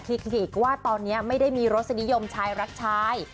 อีกว่าตอนนี้ไม่ได้มีรสนิยมชายรักชาย